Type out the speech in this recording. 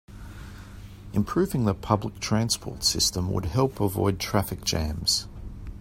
Improving the public transport system would help avoid traffic jams.